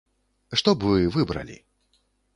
Што б вы выбралі?